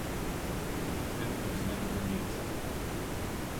The film was never released.